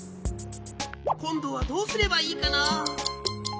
こんどはどうすればいいかな？